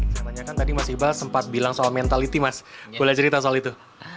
saya tanyakan tadi mas iqbal sempat bilang soal mentality mas boleh cerita soal itu